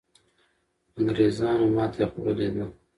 انګریزان ماتې خوړلې ده.